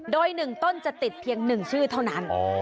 โดย๑ต้นจะติดเพียง๑ชื่อเท่านั้น